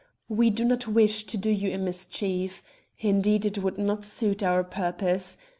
We do not wish to do you a mischief. Indeed, it would not suit our purpose.